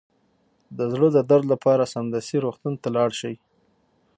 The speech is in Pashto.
د زړه د درد لپاره سمدستي روغتون ته لاړ شئ